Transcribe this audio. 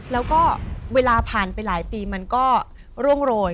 แล้วก็เวลาผ่านไปหลายปีมันก็ร่วงโรย